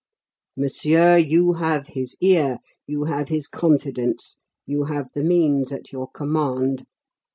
Monsieur, you have his ear, you have his confidence, you have the means at your command.